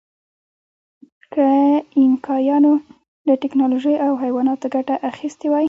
که اینکایانو له ټکنالوژۍ او حیواناتو ګټه اخیستې وای.